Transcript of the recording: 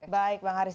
baik bang haris